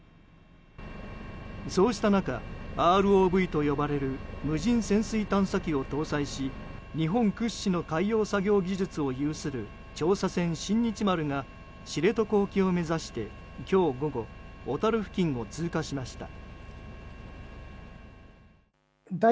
そうした中、ＲＯＶと呼ばれる無人潜水探査機を搭載し日本屈指の海洋作業技術を有する調査船「新日丸」が知床沖を目指して、今日午後小樽付近を通過しました。